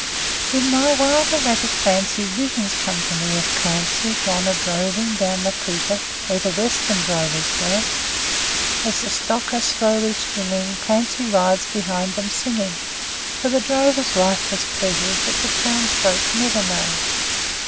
..... In my wild erratic fancy visions come to me of Clancy Gone a droving 'down the Cooper' where the Western drovers go; As the stock are slowly stringing, Clancy rides behind them singing, For the drover's life has pleasures that the townsfolk never know.